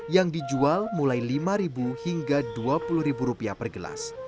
yang dijual mulai lima hingga dua puluh rupiah per gelas